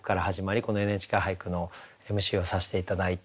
この「ＮＨＫ俳句」のＭＣをさせて頂いて。